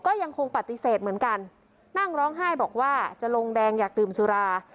ก็ยังคงปฏิเสธเหมือนกันนั่งร้องไห้บอกว่าจะลงแดงอยากดื่มสุรา